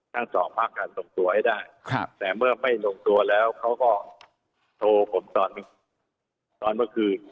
ทั้งสองภาคการส่งตัวให้ได้แต่เมื่อไม่ลงตัวแล้วเขาก็โทรผมตอนเมื่อคืน